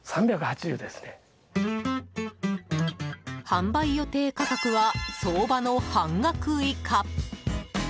販売予定価格は相場の半額以下。